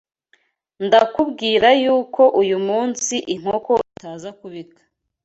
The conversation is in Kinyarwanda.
ndakubwira yuko uyu munsi inkoko itaza kubika